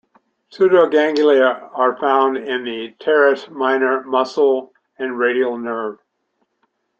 Pseudoganglia are found in the teres minor muscle and radial nerve.